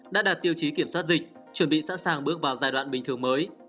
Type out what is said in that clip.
đã đạt tiêu chí kiểm soát dịch chuẩn bị sẵn sàng bước vào giai đoạn bình thường mới